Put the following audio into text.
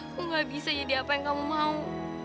aku gak bisa jadi apa yang kamu mau